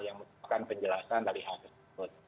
yang menyebutkan penjelasan dari aset